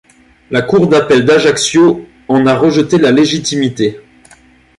La cour d'appel d'Ajaccio en a rejeté la légitimité.